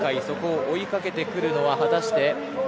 そこを追いかけてくるのは果たして。